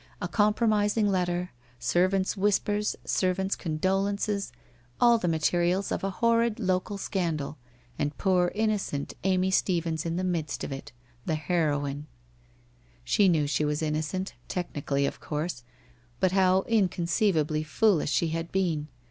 A compromising letter, ser vants' whispers, servants' condolences, all the materials of a horrid local scandal, and poor innocent Amy Stephens in the mi'l t <if it, tin heroine. She knew she was innocent, technically of course, but how inconceivably foolish sh<' had been!